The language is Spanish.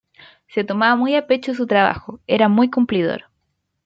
Se tomaba muy a pecho su trabajo, era muy cumplidor